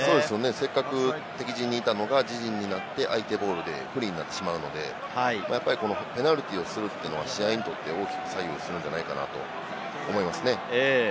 せっかく敵陣にいたのが自陣になって、相手ボールで不利になってしまうのでペナルティーをするというのは試合にとって大きく左右するんじゃないかなと思いますね。